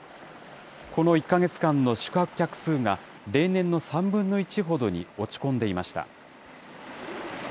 この１か月間の宿泊客数が例年の３分の１ほどに落ち込んでいました。